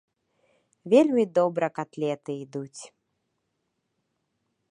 Вельмі добра катлеты ідуць.